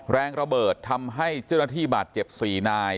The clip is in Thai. แรงระเบิดทำให้เจ้าหน้าที่บาดเจ็บ๔นาย